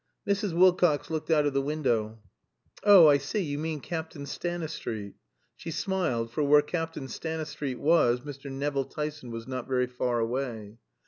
Mrs. Wilcox looked out of the window. "Oh, I see; you mean Captain Stanistreet." She smiled; for where Captain Stanistreet was Mr. Nevill Tyson was not very far away.